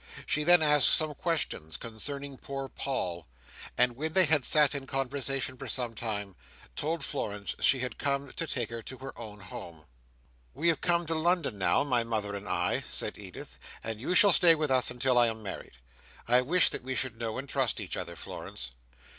She then asked some questions concerning poor Paul; and when they had sat in conversation for some time, told Florence she had come to take her to her own home. "We have come to London now, my mother and I," said Edith, "and you shall stay with us until I am married. I wish that we should know and trust each other, Florence."